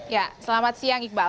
ya selamat siang ikbal